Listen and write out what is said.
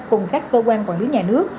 cùng các cơ quan quản lý nhà nước